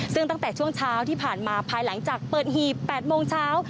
ซึ่งตั้งแต่ช่วงเช้าที่ผ่านมาภายหลังจากเปิดหีบ๘โมงเช้า